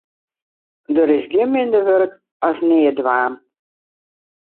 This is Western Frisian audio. Der is gjin minder wurk as neatdwaan.